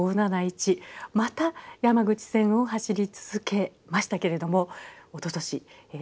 また山口線を走り続けましたけれどもおととし２０２０年